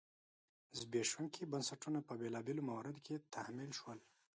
زبېښونکي بنسټونه په بېلابېلو مواردو کې تحمیل شول.